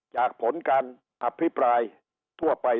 จากผลการอภิปราย